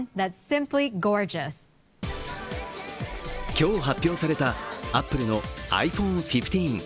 今日発表されたアップルのｉＰｈｏｎｅ１５。